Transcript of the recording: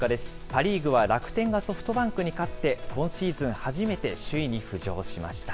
パ・リーグは楽天がソフトバンクに勝って、今シーズン初めて、首位に浮上しました。